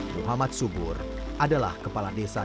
muhammad subur adalah kepala desa